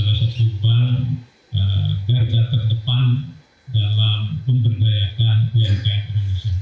bri adalah salah satu bank kerja terdepan dalam pemberdayaan umkm indonesia